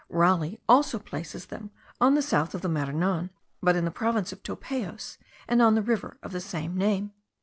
Raleigh also places them on the south of the Maranon, but in the province of Topayos, and on the river of the same name.